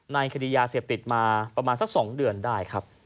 คดียาเสพติดมาประมาณสัก๒เดือนได้ครับ